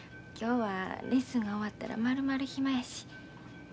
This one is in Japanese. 今日はレッスンが終わったらまるまる暇やし。